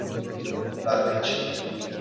La Riche